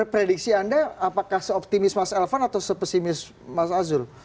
prediksi anda apakah seoptimis mas elvan atau sepesimis mas azul